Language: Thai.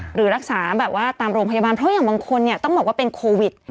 หรือรักษาแบบว่าตามโรงพยาบาลเพราะอย่างบางคนเนี่ยต้องบอกว่าเป็นโควิด